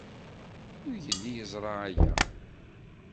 Ur yelli yeẓra aya.